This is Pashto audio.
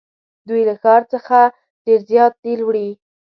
دوی له دې ښار څخه ډېر زیات نیل وړي.